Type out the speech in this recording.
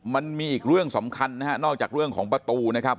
มันมีอีกเรื่องสำคัญนะฮะนอกจากเรื่องของประตูนะครับ